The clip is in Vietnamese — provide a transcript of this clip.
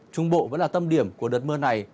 trung bộ vẫn là tâm điểm của đợt mưa này